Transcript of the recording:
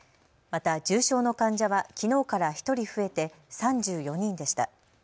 また重症の患者はきのうから１人増えて３４人でした。